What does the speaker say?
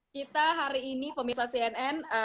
kita hari ini pemirsa cnn